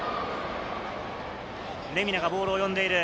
レミナがボールを呼んでいる。